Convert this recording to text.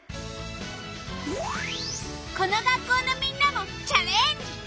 この学校のみんなもチャレンジ！